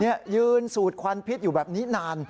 นี่ยืนสูดควันพิษอยู่แบบนี้นาน